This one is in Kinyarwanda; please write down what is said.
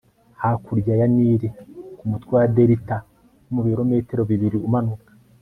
hakurya ya nili ku mutwe wa delita nko mu bilometero bibiri umanuka